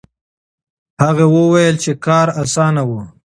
هغه وویل چې کار اسانه و.